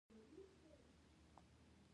زه له خپل کار سره مینه لرم.